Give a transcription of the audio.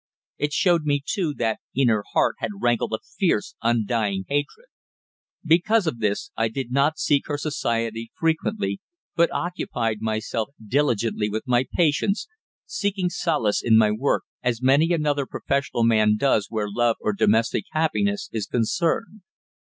It showed me, too, that in her heart had rankled a fierce, undying hatred. Because of this I did not seek her society frequently, but occupied myself diligently with my patients seeking solace in my work, as many another professional man does where love or domestic happiness is concerned.